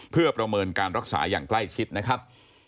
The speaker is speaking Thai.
เพื่อประเมินการรักษาอย่างใกล้ชิดนะครับ